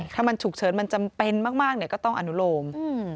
ถ้ามันฉุกเฉินมันจำเป็นมากก็ต้องอนุโลม